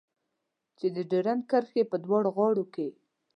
چې د ډيورنډ کرښې په دواړو غاړو کې.